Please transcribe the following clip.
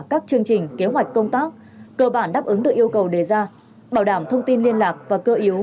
các chương trình kế hoạch công tác cơ bản đáp ứng được yêu cầu đề ra bảo đảm thông tin liên lạc và cơ yếu